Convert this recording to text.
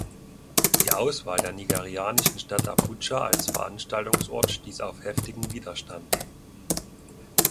Die Auswahl der nigerianischen Stadt Abuja als Veranstaltungsort stieß auf heftigen Widerstand.